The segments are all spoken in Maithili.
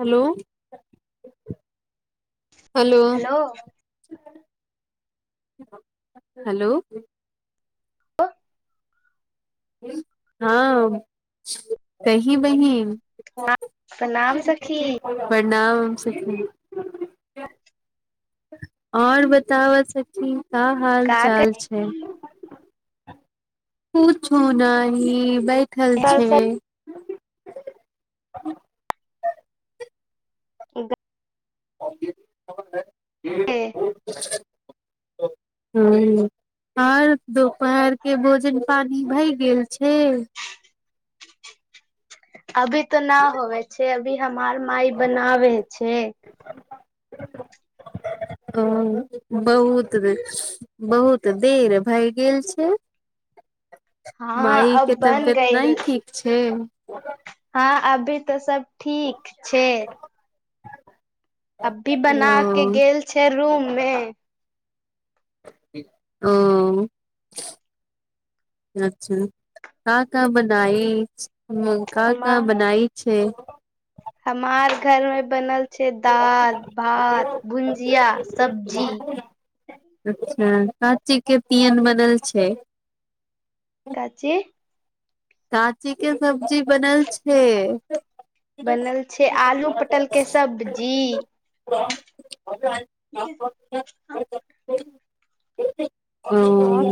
हेलो हेलो हेलो हँ कही बहिन प्रणाम सखी प्रणाम सखी और बताब सखी का हाल का चाल कर छै पूछू नही बैठल छि ह [unintelligible] इद बर है [unintelligible] हँ [inaudible] और दोपहर के भोजन पानी भए गेल छै अभी तऽ ना होवे छै अभी हमार माइ बनावे छै [inaudible] ओ बहुत बहुत देर भैए गेल छै हँ माइ अब के बन तबियत नय गइल ठीक छै हँ अभी तऽ सब ठीक छै अब भी बना के ओ गेल छै रूम मे ओ अच्छा का का बनाई मकौ का हमार बनाई छै हमार घर मे बनल छे दाल भात भुंजिया सब्जी अच्छा काचीके तियन बनल छै काची काँची के सब्जी बनल छै बनल छै आलू पटल के सब्जी ठीके हँ एकत [inaudible] हँ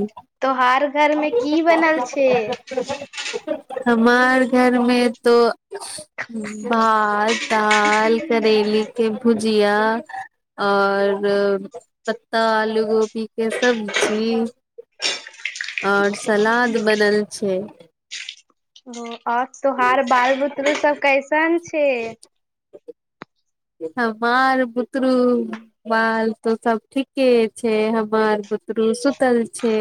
तोहार घरमे की बनल छै हमार घर मे तो भात दाल करेले के भुजिया और पत्ता आलू गोभी के सब्जी और सलाद बनल छै ओ और तोहार बाल बुतरू सब कैसन छै हमार बुतूरू बाल तो सब ठीके छै हमार बतरु सुतल छै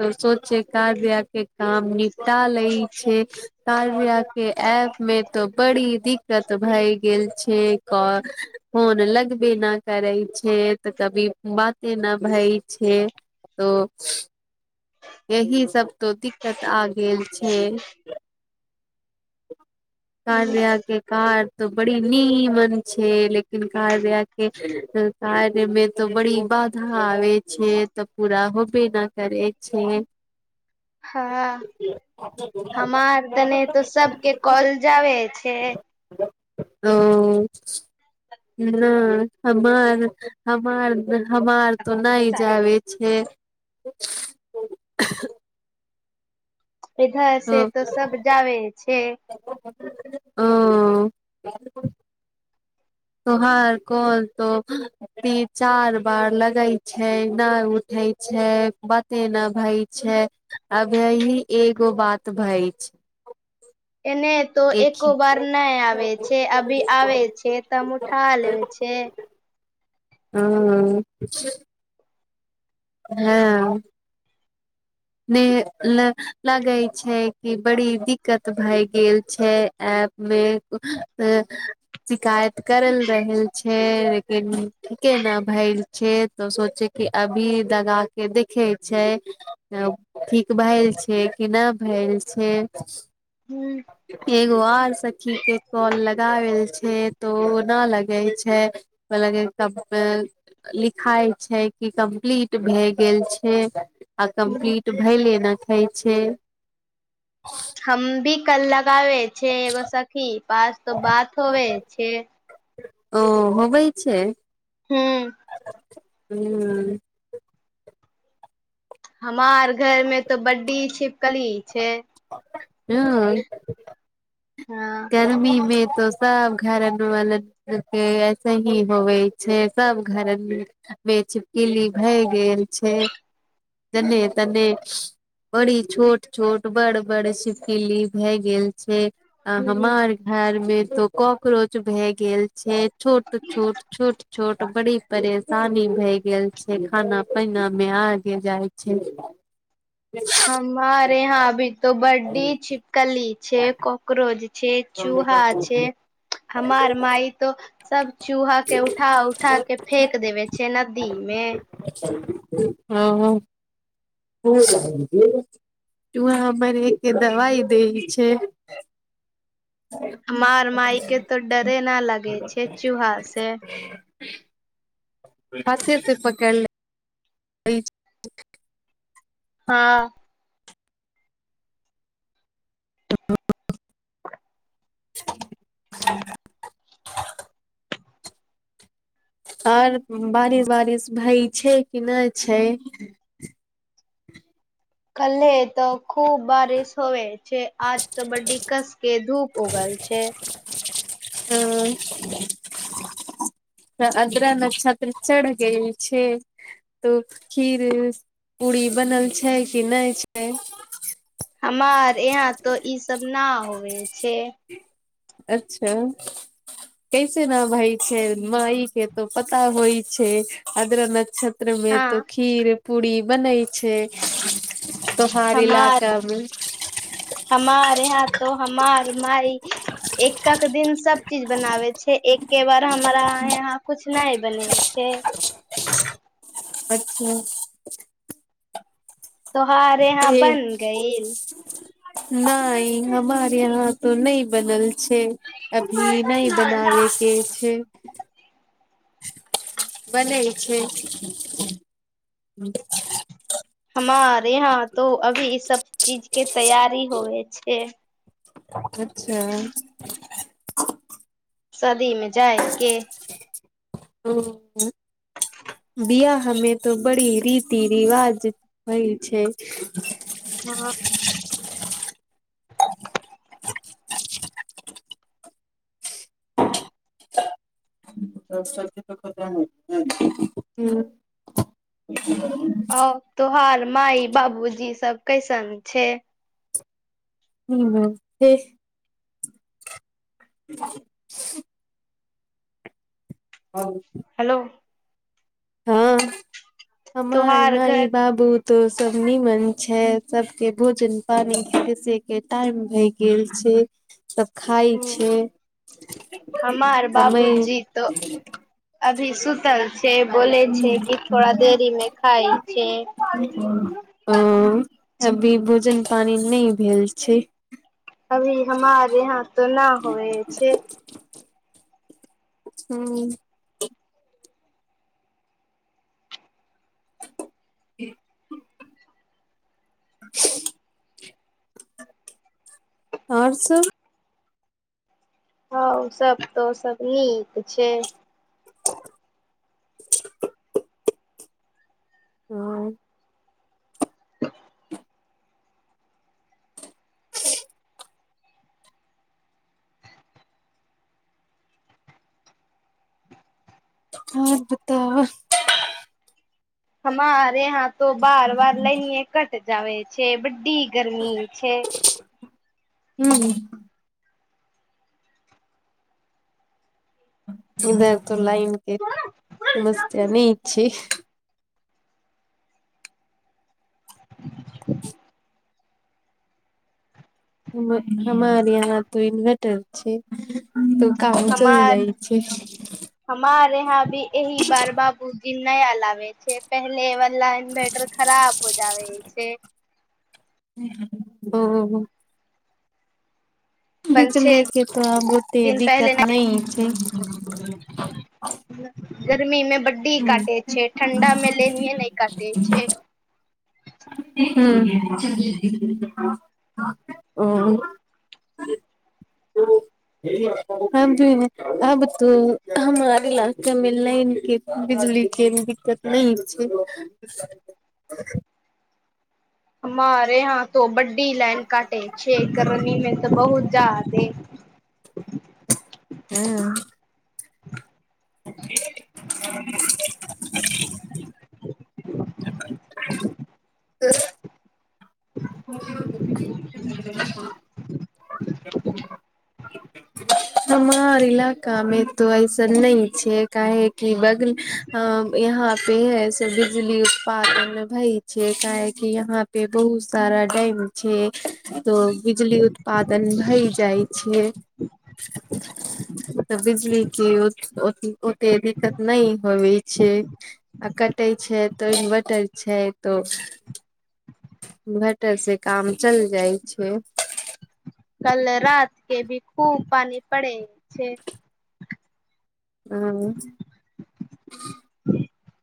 तो सोच छै का बि्याह के काम निपटा ले छै कार्या के ऐप मे तऽ बड़ी दिक्कत भए गेल छै क फोन लगबे न करै छै तऽ कभी बाते न भई छै [inaudible] एहि सब तऽ दिक्कत आ गेल छै [inaudible] कार्या के कार तो बड़ी नीमन छै लेकिन कार्या के कार्य मे तो बड़ी बाधा आबे छै तऽ पूरा होबे न करै छै हँ हमारदने त सबके कॉल जाबे छै ओ नय हमार हमार हमार त नय जबे छै पेधा ओ से त सब जावे छै हां तोहार कल तो ती चार बार लगै छै नय उठे छै बतेना भई छै अभ यही एगो बात भई छै [inaudible] एने त एक एको ही बार नय आबै छै अभी आ छै तम उठा लेब छै हँ हँ [inaudible] ने ल लगे छै कि बड़ी दिक्कत भए गेल छै आब मे अ शिकायत करल रहल छै लेकिन ठीके ने भाय छै तऽ सोचे कि अभी लगा के देखै छै ठीक भैल छै कि नहि भैल छै ह्म एगो आर सखी के कल लगावल छै तो ओ न लगे छै कलाकी लिखाइ छै कि कम्प्लीट [unintelligible] भए गेल छै आ कम्प्लीट भैलेना खइ छै हम भी कल लगा लै छै बस अथि बात तो होबै छै ओ होबै छै हू हू हमार घर में तो बड्डी छिपकली छै हँ हँ गर्मी मे तो सब घरदु वाल के ऐसे ही होवे छै सब सब घर मेच पिली भए गेल छै जने तने बड़ी छोट छोट बड़ बड़ सिपकिली भए गेल छै हमार घर मे तो कॉकरोच भए गेल छै छोट छोट छोट छोट बड़ी परेशानी भए गेल छै खाना पहिना मे आगे जाइ छै हमार यहाँ हाभी तो बड्डी छिपकली छै कॉक्रोच छै चूहा छै हमार माई तो सब चूहा के उठा उठा के फेेक देवै छै नदी मे मे हँ [unintelligible] चुहा मरै के दवाइ दै छै हमार मााय के तऽ डरे न लगै छै चूहा से हाथे से पकैड़ लै हँ ह [unintelligible] [unintelligible] आर बारिश बारिश भै छै कि नहि छै कल्ले त खूब बारिश होइ छै आज तऽ बड्डी कसके धूप उगल छै हं त अद्रा नक्षत्र चढ़ गेय छै तो खीर पूरी बनल छै कि नहि छै हमार यहाँ तोऽ ई सब न होेबे छै अच्छा कैसे न भैय छै माइ के त पता होइ छै अद्रा नक्षत्र मे हँ तो खीर पूरी बनै छै तोहार हमार इलाका मे हमार यहाँ तो हमार माइ एकक दिन सब चीज बनाबै छै एक्के बार हमरा यहाँ कुछ नहि बनै छै अच्छा तोहार ह यहाँ बन गइल [unintelligible] नहि हमार यहाँ तो नै बनल छै अभी नहि बनाबे से छै बनै छै मार यहाँ तो अभी ई सब चीज के तैयरी होबे छै अच्छा शादीमे जायके ओ बियाहमे त बड़ी रीति रिवाज होइ छै हँ [unintelligible] आ तोहार माय बाबूजी सब कैसन छै ह [unintelligible] [unintelligible] हं हेलो हँ हमर तोहार माइ घर बाबू तो सब नीमन छै सबके भोजन पानी कसे के टाइम भय गेल छै सब खाइ छै हूँ हमार तय भी सुत से बोले छै कि थोड़ा देरी मे खाइ छै अ अभी भोजन पानी नहि भेल छै अभी हमारे यहाँ तऽ न होए छै ह्म [unintelligible] आओर सब हँ सभ तऽ सभ नीक छै [unintelligible] हं आर बताउ हमर यहाँ त बार बार लैनियें कट जाबै छै की गर्मी छै हूं इधर त लाइन के समस्या नहि छै हमार यहाँ त इन्वर्टर छै काम चलि हमार जाइ छै हां भी एहि बार बाबू नया लाबे छै पहिल वला इन्वर्टर खराब हो जाेवे छै ब पाँच छे बिजलीके तऽ बहुते दिन पहले दिक्कत नहि छै गर्मी में बड्डी हूँ काटे छै ठण्डा मे लेनिे नहि काटे छै ह ओ ह आबत हमर इलाका के लाइन बिजली पुलस दिक्कत नहि छै हमारे यहा त बड्डी लाइन काटे छै एक गर्मी में तऽ बहु जा देे हँ [unintelligible] [unintelligible] [unintelligible] हमार इलका मे त ऐसन नई छै काह बग ह यहाँ पे है से बिजली उत्पादन भई छै काह कि यहा पे बहुत सारा डैम छै तऽ बिजली उत्पादन भइ जाइ छै तऽ बिजली की ओ ओतेक दिक्कत नय होवे छै आ कटे छै तऽ इन्वर्टर छै छै तो इन्वर्टर से काम चल जाइ छै कल रात के भी खूब पानी पड़े छै हा ह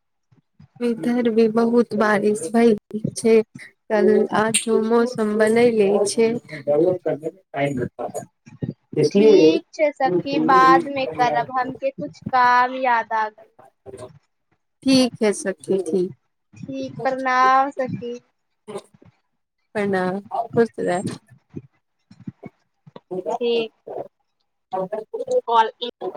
इधर भी बहुत बारिश भय छै कल आजो मौस हम बनेने छय [inaudible] ठीक छय सखी बादमे करब हमके कुछ काम याद [unintelligible] ठीक है सखी ठीक ठीक प्रणाम सखी प्रणाम खुश रह ठीक [unintelligible]